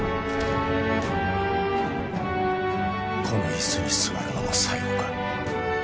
この椅子に座るのも最後か？